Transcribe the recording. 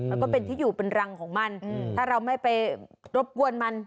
มันก็เป็นที่อยู่เป็นรังของมันถ้าเราไม่ไปรบกวนมัน